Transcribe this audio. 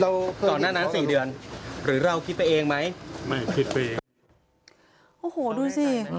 ก่อนหน้านั้นสี่เดือนหรือเราคิดไปเองไหมไม่คิดไปเองโอ้โหดูสิ